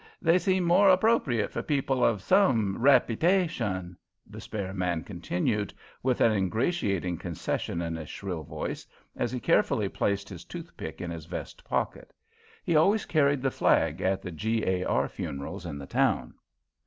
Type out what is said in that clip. They seem more appropriate for people of some repytation," the spare man continued, with an ingratiating concession in his shrill voice, as he carefully placed his toothpick in his vest pocket. He always carried the flag at the G.A.R. funerals in the town.